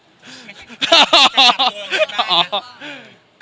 ไม่ใช่แก้ตัวแก้ตัวค่ะ